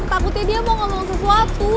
takutnya dia mau ngomong sesuatu